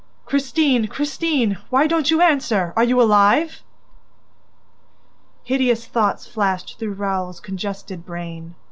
"Christine! Christine! ... Why don't you answer? ... Are you alive? ..." Hideous thoughts flashed through Raoul's congested brain.